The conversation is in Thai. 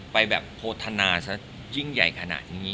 ไปโพธนา